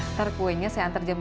ntar kuenya saya antar jam dua ya